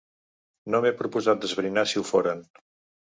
No m’he proposat d’esbrinar si ho foren.